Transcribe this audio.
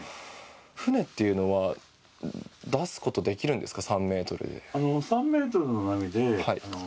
船っていうのは出すこと、できるんですか。